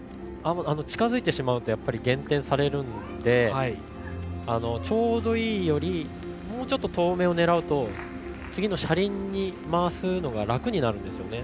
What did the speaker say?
近づいてしまうと減点されるのでちょうどいいよりもうちょっと遠めを狙うと次の車輪に回すのが楽になるんですね。